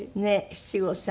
七五三。